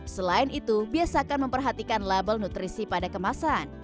selain itu biasakan memperhatikan label nutrisi pada kemasan